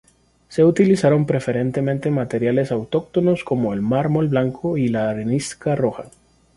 Se utilizaron preferentemente materiales autóctonos, como el mármol blanco y la arenisca roja.